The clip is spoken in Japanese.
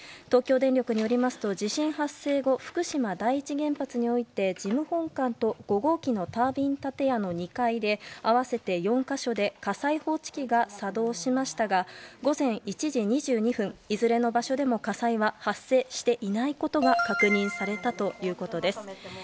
東京電力によりますと地震発生後福島第一原発において事務本館と５号機のタービン建屋の２階で合わせて４か所で火災報知機が作動しましたが午前１時２２分いずれの場所でも火災は発生していないことが確認されたということです。